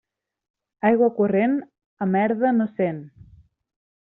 Aigua corrent a merda no sent.